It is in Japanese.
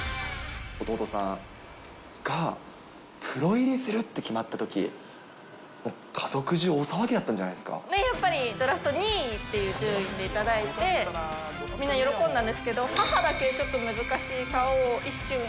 弟さんがプロ入りするって決まったとき、家族中、やっぱりドラフト２位っていう順位でいただいて、みんな喜んだんですけど、どうされたんですか？